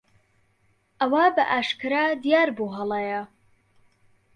ئەوە بەئاشکرا دیار بوو هەڵەیە.